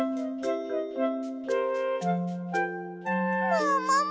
ももも！